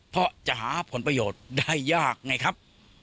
เพราะจะหาผลประโยชน์ได้ยากไงครับ